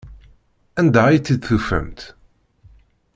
Anda ay tt-id-tufamt?